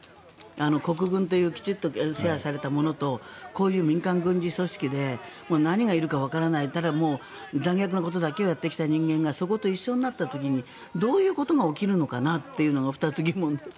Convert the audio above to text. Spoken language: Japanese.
国軍というきちっと世話されたものとこういう民間軍事組織で何がいるかわからない残虐なことだけをやってきた人間がそこと一緒になった時にどういうことが起きるのかなっていうのが２つ、疑問です。